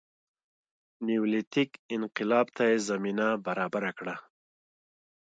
نیولیتیک انقلاب ته یې زمینه برابره کړه